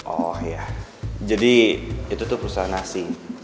oh ya jadi itu tuh perusahaan nasi